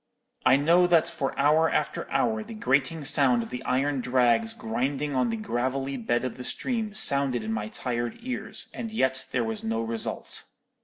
I know that for hour after hour the grating sound of the iron drags grinding on the gravelly bed of the stream sounded in my tired ears, and yet there was no result.